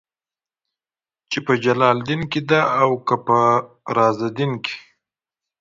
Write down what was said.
چې په جلال الدين کې ده او که په رازالدين کې.